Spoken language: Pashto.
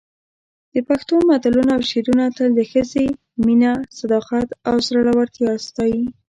د پښتو متلونه او شعرونه تل د ښځې مینه، صداقت او زړورتیا ستایي.